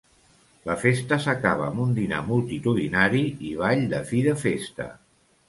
La festa s'acaba amb un dinar multitudinari i ball de fi de festa.